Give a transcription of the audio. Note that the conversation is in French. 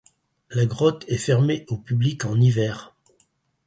La grotte est fermée au public en hiver.